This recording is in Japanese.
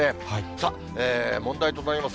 さあ、問題となります